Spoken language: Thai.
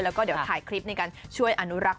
แล้วก็ถ่ายคลิปในการช่วยอนุรักษณ์